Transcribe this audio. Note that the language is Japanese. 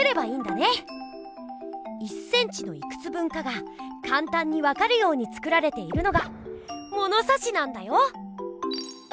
１ｃｍのいくつ分かがかんたんにわかるように作られているのがものさしなんだよ！